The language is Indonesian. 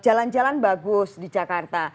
jalan jalan bagus di jakarta